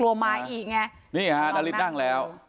ป้าอันนาบอกว่าตอนนี้ยังขวัญเสียค่ะไม่พร้อมจะให้ข้อมูลอะไรกับนักข่าวนะคะ